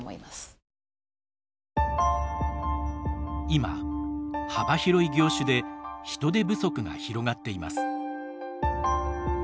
今幅広い業種で人手不足が広がっています。